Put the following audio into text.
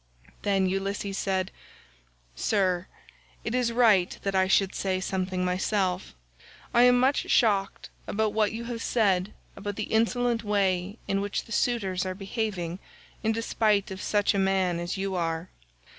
Then Ulysses said, "Sir, it is right that I should say something myself. I am much shocked about what you have said about the insolent way in which the suitors are behaving in despite of such a man as you are.